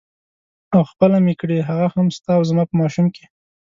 او خپله مې کړې هغه هم ستا او زما په ماشوم کې.